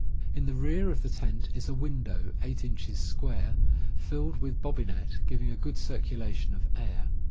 In the rear of the tent is a window, 8 inches square, filled with bobbinet, giving a good circulation of air.